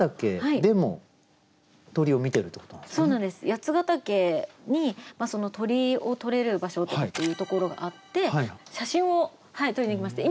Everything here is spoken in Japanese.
八ヶ岳に鳥を撮れる場所っていうところがあって写真を撮りに行きまして。